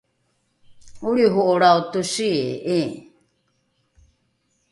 olriho’olrao tosii’i